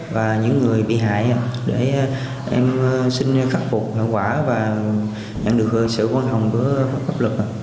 và những người bị hại để em xin khắc phục hợp quả và nhận được sự quan hồng của pháp luật